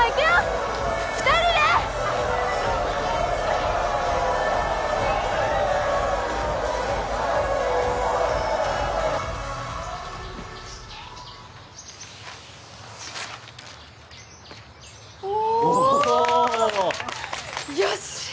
よし！